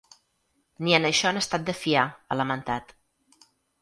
Ni en això han estat de fiar, ha lamentat.